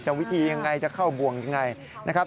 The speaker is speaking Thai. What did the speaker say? จะวิธีอย่างไรจะเข้าบ่วงอย่างไร